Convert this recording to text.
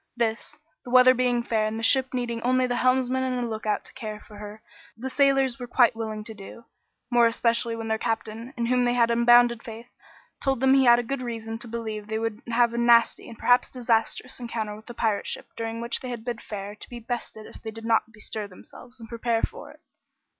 This, the weather being fair and the ship needing only the helmsman and a lookout to care for her, the sailors were quite willing to do. More especially when their captain, in whom they had unbounded faith, told them he had good reason to believe they would have a nasty, and perhaps disastrous, encounter with the pirate ship during which they bid fair to be bested if they did not bestir themselves and prepare for it.